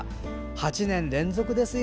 ８年連続ですよ！